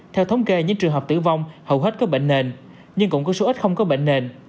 theo thống kê những trường hợp tử vong hầu hết các bệnh nền nhưng cũng có số ít không có bệnh nền